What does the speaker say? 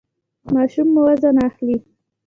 ماشوم مو وزن اخلي؟